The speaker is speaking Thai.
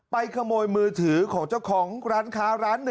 ขโมยมือถือของเจ้าของร้านค้าร้าน๑